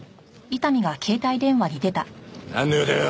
なんの用だよ？